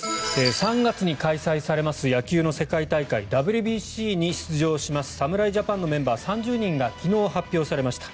３月に開催されます野球の世界大会ＷＢＣに出場します侍ジャパンのメンバー３０人が昨日、発表されました。